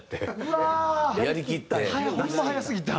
うわー！ホンマ早すぎた。